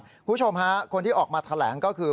คุณผู้ชมฮะคนที่ออกมาแถลงก็คือ